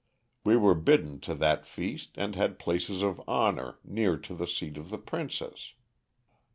We were bidden to that feast and had places of honor near to the seat of the princess.